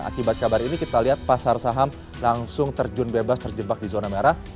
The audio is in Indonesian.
akibat kabar ini kita lihat pasar saham langsung terjun bebas terjebak di zona merah